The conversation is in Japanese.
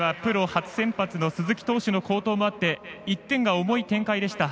初先発の鈴木投手の好投もあって１点が重い展開でした。